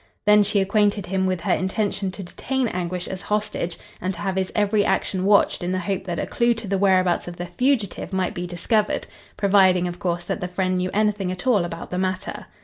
Then she acquainted him with her intention to detain Anguish as hostage and to have his every action watched in the hope that a clue to the whereabouts of the fugitive might be discovered, providing, of course, that the friend knew anything at all about the matter.